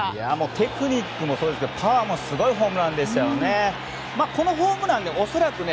テクニックもそうですがパワーもすごいホームランでしたよね。